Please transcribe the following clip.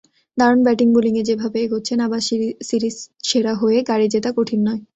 দারুণ ব্যাটিং-বোলিংয়ে যেভাবে এগোচ্ছেন, আবার সিরিজসেরা হয়ে গাড়ি জেতা কঠিন নয়।